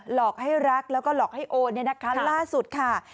หลอกให้รักแล้วก็หลอกให้โอนเนี่ยนะคะล่าสุดค่ะ